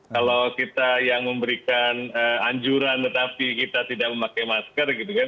kalau kita yang memberikan anjuran tetapi kita tidak memakai masker gitu kan